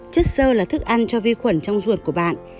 chất sơ là thức ăn cho vi khuẩn trong ruột của bạn